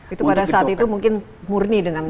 itu pada saat itu mungkin murni dengan mana ya